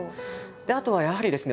あとはやはりですね